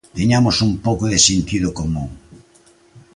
Teñamos un pouco de sentido común.